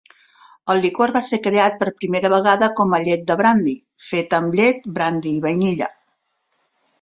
El licor va ser creat per primera vegada com a "llet de brandi", fet amb llet, brandi i vainilla.